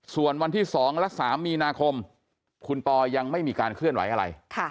ส่วนวันที่๒และ๓มีนาคมคุณปอยังไม่มีการเคลื่อนไหวอะไร